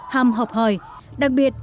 hàm học hỏi đặc biệt